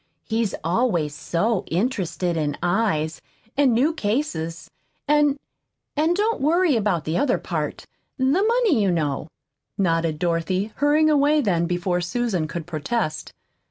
He's always so interested in eyes, and new cases. And and don't worry about the other part the money, you know," nodded Dorothy, hurrying away then before Susan could protest.